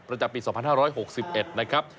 ประจำปี๒๕๖๑นะครับ